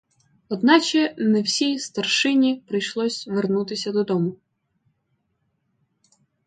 Одначе не всій старшині прийшлось вернутись до дому.